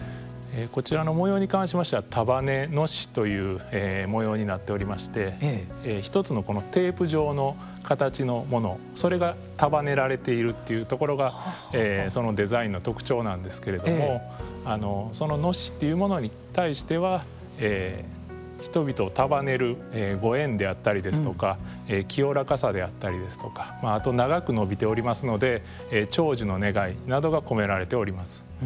こちらの模様に関しましては束ね熨斗という模様になっておりまして１つのテープ状の形のものそれが束ねられているっていうところがデザインの特徴なんですけれどもその熨斗っていうものに対しては人々を束ねるご縁であったりですとか清らかさであったりですとかあと長く伸びておりますので長寿の願いなどが込められております。